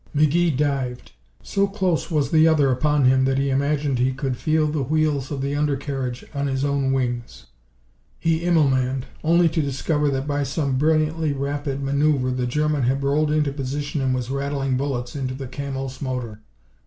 McGee dived. So close was the other upon him that he imagined he could feel the wheels of the undercarriage on his own wings. He Immelmanned, only to discover that by some brilliantly rapid manoeuver the German had rolled into position and was rattling bullets into the Camel's motor.